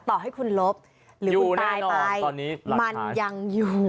ต่อให้คุณลบหรือคุณตายไปมันยังอยู่